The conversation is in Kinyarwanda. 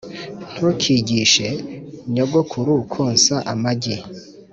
ntukigishe nyogokuru konsa amagi